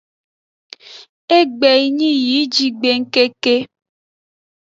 Egbe yi nyi yi jigbengkeke.